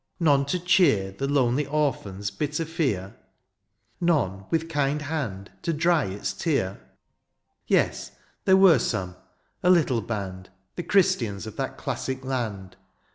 none to cheer The lonely orphan's bitter fear ? None, with kind hand, to dry its tear ? Yes, there were some, a little band. The Christians of that dassic land.